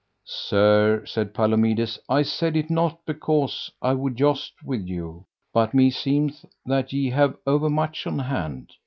Sir, said Palomides, I said it not because I would joust with you, but meseemeth that ye have overmuch on hand.